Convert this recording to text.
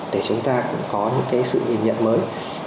để chúng ta cũng có những cái sự nhìn nhận mới